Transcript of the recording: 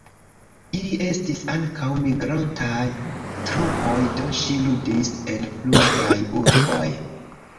Ili estis ankaŭ migrantaj trupoj, do ŝi ludis en pluraj urboj.